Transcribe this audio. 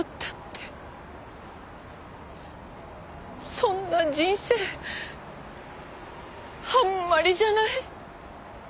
そんな人生あんまりじゃない。